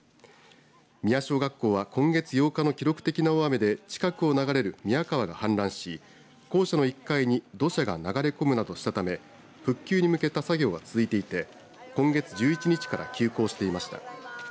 宮小学校は今月８日の記録的な大雨で近くを流れる宮川が氾濫し校舎の１階に土砂が流れ込むなどしたため復旧に向けた作業が続いていて今月１１日から休校していました。